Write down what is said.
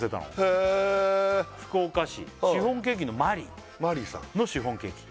へえ福岡市シフォンケーキのマリィマリィさんのシフォンケーキ